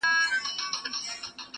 کوم ظالم چي مي افغان په کاڼو ولي,